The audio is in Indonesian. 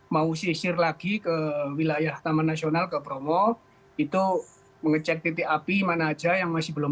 mau sisir lagi ke wilayah taman nasional ke bromo itu mengecek titik api mana aja yang masih belum